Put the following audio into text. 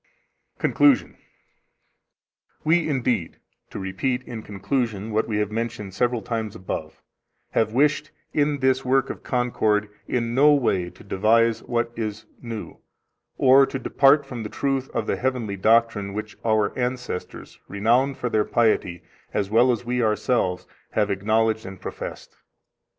Conclusion 23 We indeed (to repeat in conclusion what we have mentioned several times above) have wished, in this work of concord, in no way to devise what is new, or to depart from the truth of the heavenly doctrine which our ancestors, renowned for their piety, as well as we ourselves, have acknowledged and professed.